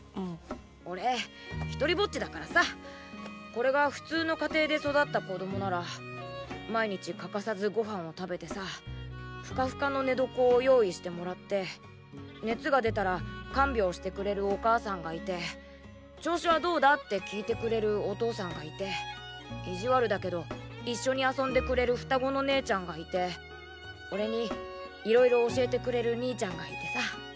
これが普通の家庭で育った子供なら毎日欠かさずご飯を食べてさふかふかの寝床を用意してもらって熱が出たら看病してくれるお母さんがいて「調子はどうだ？」って聞いてくれるお父さんがいていじわるだけど一緒に遊んでくれる双子の姉ちゃんがいて俺にいろいろ教えてくれる兄ちゃんがいてさ。